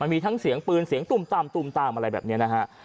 มีทั้งเสียงปืนเสียงตุ่มตามตุ่มตามอะไรแบบนี้นะฮะ